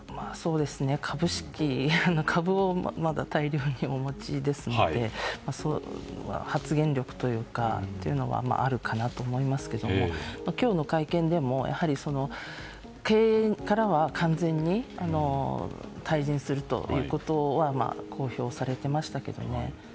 株を大量にお持ちですので発言力というのはあるかなと思いますけども今日の会見でも経営からは完全に退陣するということは公表されていましたけどね。